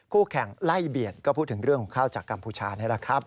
คู่แข่งไล่เบียดก็พูดถึงเรื่องของข้าวจากกัมพูชานี่แหละครับ